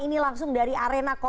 ini langsung dari arena